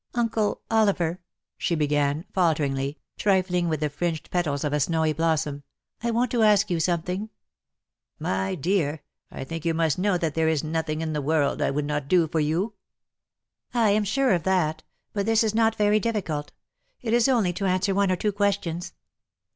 ^' Uncle Oliver,^' she began, falteringly, trifling with the fringed petals of a snowy blossom, " I want to ask you something/' " My dear, I think you must know that there is nothing in the world I would not do for you." ^' I am sure of that : but this is not very difficult. It is only to answer one or two questions.